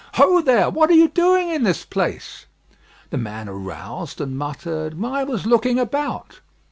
"Ho! there. What are you doing in this place?" The man aroused, and muttered "I was looking about."